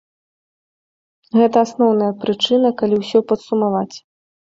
Гэта асноўная прычына, калі ўсё падсумаваць.